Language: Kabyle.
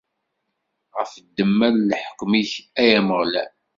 Ɣef ddemma n leḥkem-ik, ay Ameɣlal!